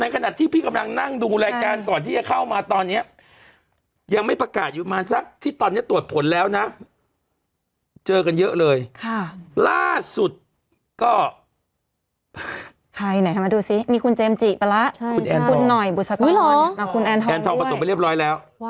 ก็ใครไหนมาดูซิมีคุณเจมส์จีกไปแล้วคุณหน่อยบุษกรคุณแอนทองแอนทองประสงค์ไปเรียบร้อยแล้ว